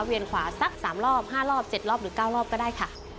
ขวาสัก๓รอบ๕รอบ๗รอบหรือ๙รอบก็ได้ค่ะ